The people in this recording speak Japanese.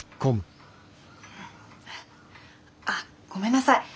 あっごめんなさい！